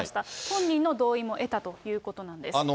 本人の同意も得たということなんです。